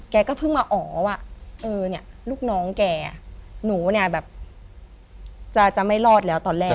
เพิ่งมาอ๋อว่าเออเนี่ยลูกน้องแกหนูเนี่ยแบบจะไม่รอดแล้วตอนแรก